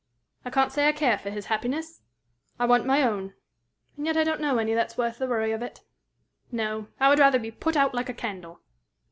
"I can't say I care for his happiness. I want my own. And yet I don't know any that's worth the worry of it. No; I would rather be put out like a candle."